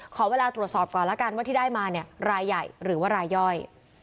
ขอเวลาตรวจสอบก่อนแล้วกันว่าที่ได้มาเนี่ยรายใหญ่หรือว่ารายย่อย